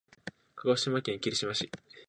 鹿児島県霧島市